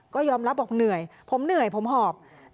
ก็ยอมรับบอกเหนื่อยผมเหนื่อยผมหอบ